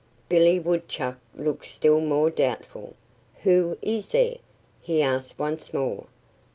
Billy Woodchuck looked still more doubtful. "Who is there?" he asked once more.